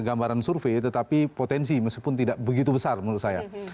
gambaran survei tetapi potensi meskipun tidak begitu besar menurut saya